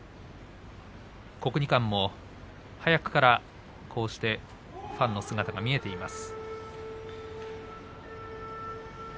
国技館も早くからこうしてファンの姿が見えています。